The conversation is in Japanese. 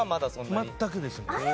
全くですね。